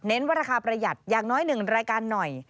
เน้นว่าราคาประหยัดอย่างน้อยหนึ่งรายการหน่อย